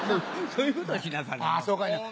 そういうことをしなさんな。